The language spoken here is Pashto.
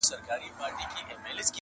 دا ربات یې دی هېر کړی له پېړیو،